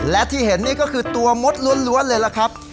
และที่เห็นนี่ก็คือตัวมดล้วนเลยล่ะครับ